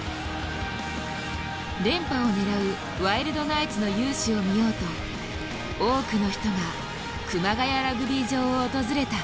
連覇を狙うワイルドナイツの雄姿を見ようと多くの人が熊谷ラグビー場を訪れた。